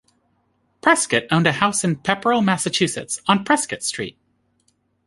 Prescott owned a house in Pepperell, Massachusetts, on Prescott Street.